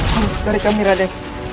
tunggu dari kami raden